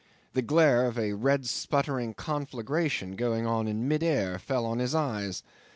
The glare of a red spluttering conflagration going on in mid air fell on his eyes.